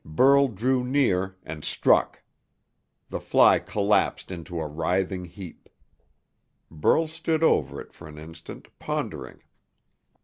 Burl drew near, and struck. The fly collapsed into a writhing heap. Burl stood over it for an instant, pondering.